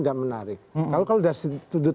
tidak menarik kalau dari sudut